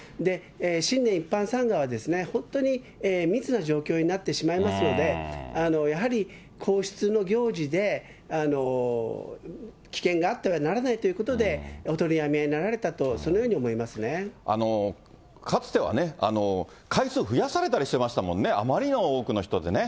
新年一般参賀は、本当に密な状況になってしまいますので、やはり皇室の行事で危険があってはならないということで、お取りやめになられたと、かつてはね、回数増やされたりしてましたもんね、あまりの多くの人でね。